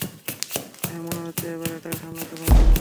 হ্যাঁ, মনে হচ্ছে এবার এটাকে সামলাতে পারব!